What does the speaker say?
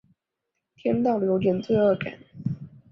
听到了有点罪恶感